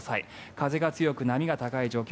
風が強く波が高い状況